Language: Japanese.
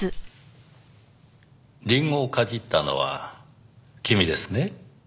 りんごをかじったのは君ですね？